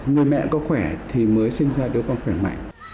người mẹ có khỏe thì mới sinh ra đi